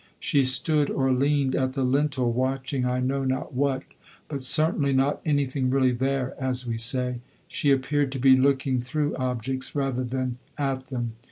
She stood or leaned at the lintel, watching I know not what, but certainly not anything really there, as we say. She appeared to be looking through objects rather than at them.